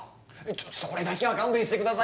ちょっそれだけは勘弁してくださいよ。